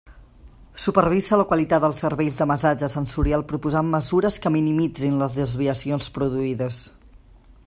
Supervisa la qualitat del servei de massatge sensorial proposant mesures que minimitzin les desviacions produïdes.